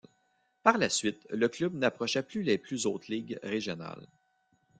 Par la suite, le club n’approcha plus les plus haute ligues régionales.